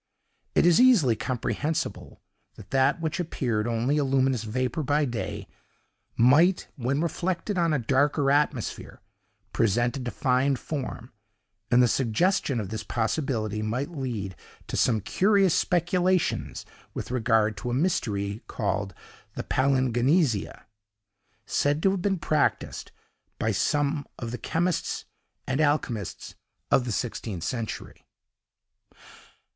It is easily comprehensible that that which appeared only a luminous vapor by day, might, when reflected on a darker atmosphere, present a defined form; and the suggestion of this possibility might lead to some curious speculations with regard to a mystery called the PALINGANESIA, said to have been practised by some of the chemists and alchemists of the sixteenth century.